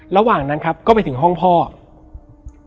แล้วสักครั้งหนึ่งเขารู้สึกอึดอัดที่หน้าอก